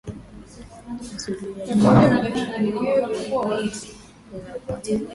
ZULIA JEKUNDU Rwanda yamlilia Yvan Buravan